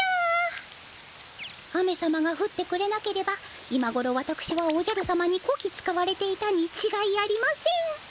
雨様がふってくれなければ今ごろわたくしはおじゃる様にこき使われていたにちがいありません。